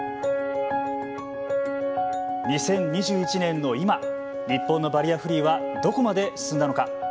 ２０２１年の今日本のバリアフリーはどこまで進んだのか。